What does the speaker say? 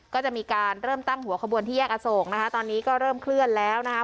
ก็จะมีการเริ่มตั้งหัวขบวนที่แยกอโศกนะคะตอนนี้ก็เริ่มเคลื่อนแล้วนะคะ